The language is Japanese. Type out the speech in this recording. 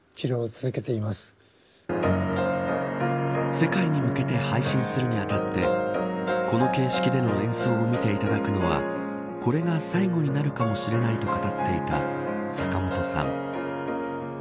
世界に向けて配信するに当たってこの形式での演奏を見ていただくのはこれが最後になるかもしれないと語っていた坂本さん。